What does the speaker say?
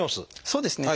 そうですね。